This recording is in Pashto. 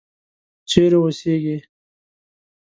چیرې اوسیږې.